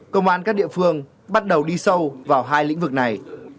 công an các địa phương bắt đầu đi sâu vào hai lĩnh vực này